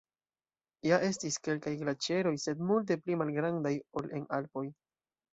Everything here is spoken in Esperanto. Ja estis kelkaj glaĉeroj, sed multe pli malgrandaj ol en Alpoj.